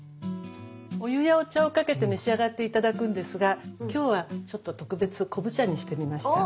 お湯やお茶をかけて召し上がって頂くんですが今日はちょっと特別昆布茶にしてみました。